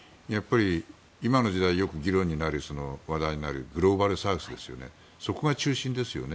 今の時代、よく議論になる話題になるグローバルサウスそこが中心ですよね。